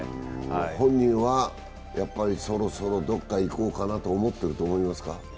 本人はそろそろどこか行こうと思ってると思いますか？